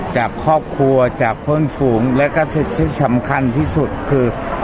จากครอบครัวจากเพื่อนฝูงและก็สิทธิ์ที่สำคัญที่สุดคือ